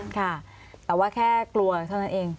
ค่ะแต่ว่าแค่กลัวเท่านั้นเอง